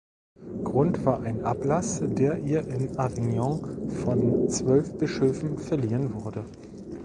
Grund war ein Ablass, der ihr in Avignon von zwölf Bischöfen verliehen wurde.